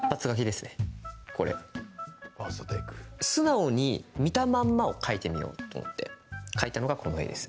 素直に見たままを描いてみようと思って描いたのが、この絵です。